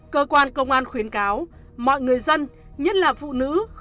cơ quan công an khuyến cáo mọi người dân nhất là phụ nữ không nên đi vào đường tắt đường tối